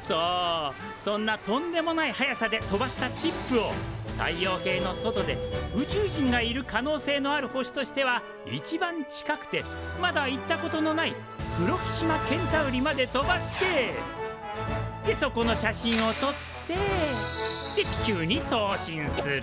そうそんなとんでもない速さで飛ばしたチップを太陽系の外で宇宙人がいる可能性のある星としては一番近くてまだ行ったことのないプロキシマ・ケンタウリまで飛ばしてそこの写真をとって地球に送信する。